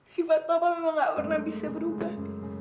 sifat bapak memang gak pernah bisa berubah